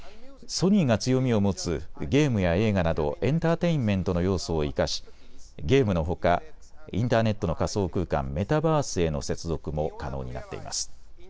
ソニーが強みを持つゲームや映画などエンターテインメントの要素を生かしゲームのほかインターネットの仮想空間、メタバースへの接続も可能になっています。